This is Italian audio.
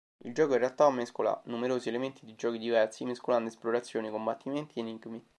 Il gioco in realtà mescola numerosi elementi di giochi diversi, mescolando esplorazione, combattimenti, enigmi.